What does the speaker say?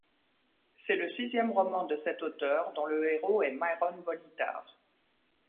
C'est le sixième roman de cet auteur dont le héros est Myron Bolitar.